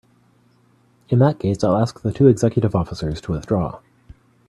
In that case I'll ask the two executive officers to withdraw.